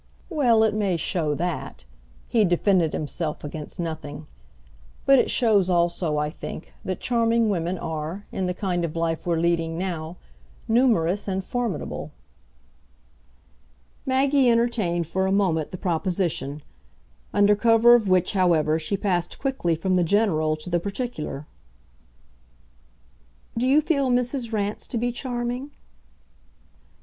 "Well, it may show that" he defended himself against nothing. "But it shows also, I think, that charming women are, in the kind of life we're leading now, numerous and formidable." Maggie entertained for a moment the proposition; under cover of which, however, she passed quickly from the general to the particular. "Do you feel Mrs. Rance to be charming?"